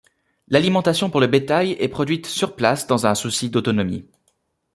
L'alimentation pour le bétail est produite sur place dans un souci d'autonomie.